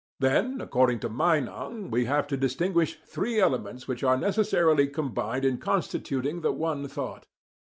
Then, according to Meinong, we have to distinguish three elements which are necessarily combined in constituting the one thought.